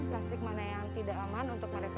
plastik mana yang tidak aman untuk mereka